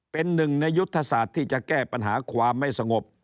เป็นหนึ่งในยุทธศาสตร์ที่จะแก้ปัญหาความไม่สงบ